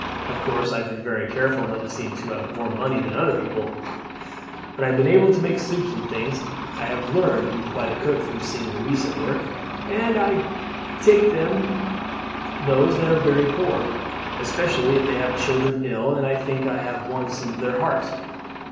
Of course I have been very careful not to seem to have more money than other people; but I have been able to make soups and things I have learned to be quite a cook from seeing Louise at work and I take them to those that are very poor, especially if they have children ill, and I think I have won some of their hearts."